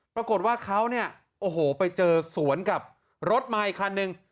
ปรากฏว่าเขาเนี่ยโอ้โหไปเจอสวนกับรถมาอีกคันนึง